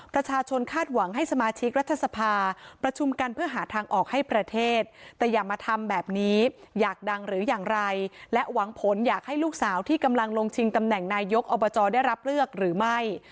คาดหวังให้สมาชิกรัฐสภาประชุมกันเพื่อหาทางออกให้ประเทศแต่อย่ามาทำแบบนี้อยากดังหรืออย่างไรและหวังผลอยากให้ลูกสาวที่กำลังลงชิงตำแหน่งนายกอบจได้รับเลือกหรือไม่